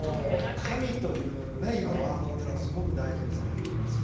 神という今、ワードというのはすごく大事にされてますが。